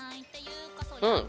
うん！